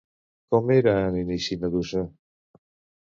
Com era en inici Medusa?